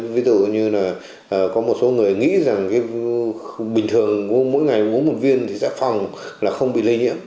ví dụ như là có một số người nghĩ rằng bình thường mỗi ngày uống một viên thì sẽ phòng là không bị lây nhiễm